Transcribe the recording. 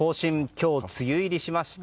今日、梅雨入りしました。